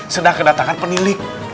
sedang kedatangan penilik